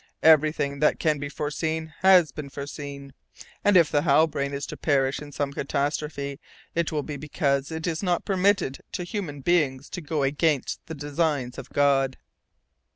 Everything that can be foreseen has been foreseen, and if the Halbrane is to perish in some catastrophe, it will be because it is not permitted to human beings to go against the designs of God."